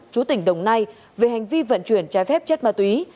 chú tỉnh đồng nai về hành vi vận chuyển trái phép chất ma túy